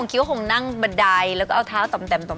ก็บอกตัวเท้า